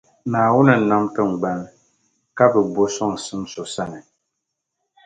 Naawun n nam tiŋŋgbani ka bi bo soŋsim so sani.